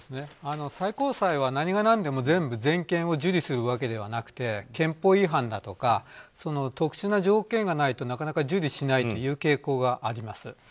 最高裁は何が何でも全件を受理するわけではなくて憲法違反だとか特殊な条件がないと、なかなか受理しない傾向があります。